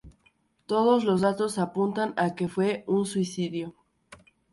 Todos los datos apuntan a que fue un suicidio.